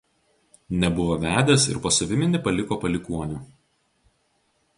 Nebuvo vedęs ir po savimi nepaliko palikuonių.